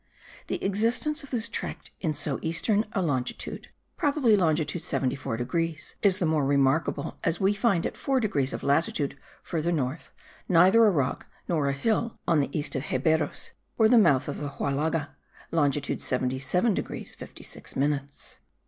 The existence of this tract in so eastern a longitude (probably longitude 74 degrees), is the more remarkable, as we find at four degrees of latitude further north, neither a rock nor a hill on the east of Xeberos, or the mouth of the Huallaga (longitude 77 degrees 56 minutes).